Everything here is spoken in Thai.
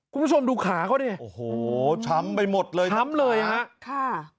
คุณผู้ชมดูขาเขาเนี่ยโอ้โหช้ำไปหมดเลยช้ำเลยอย่างนั้นค่ะ